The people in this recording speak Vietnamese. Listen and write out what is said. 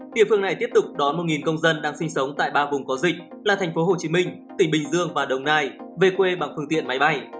địa phương này tiếp tục đón một công dân đang sinh sống tại ba vùng có dịch là tp hcm tỉnh bình dương và đồng nai về quê bằng phương tiện máy bay